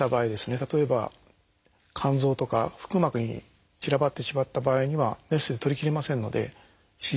例えば肝臓とか腹膜に散らばってしまった場合にはメスで取りきれませんので手術はできません。